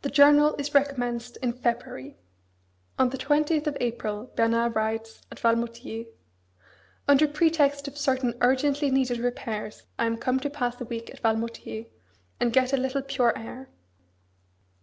The journal is recommenced in February. On the twentieth of April Bernard writes, at Valmoutiers: Under pretext of certain urgently needed repairs I am come to pass a week at Valmoutiers, and get a little pure air.